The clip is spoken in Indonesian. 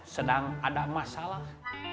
sedang ada masalah